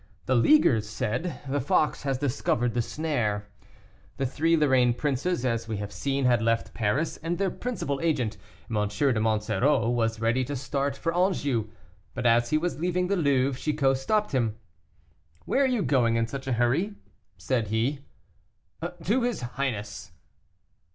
The leaguers said, "The fox has discovered the snare." The three Lorraine princes, as we have seen, had left Paris, and their principal agent, M. de Monsoreau, was ready to start for Anjou. But as he was leaving the Louvre, Chicot stopped him. "Where are you going in such a hurry?" said he. "To his highness."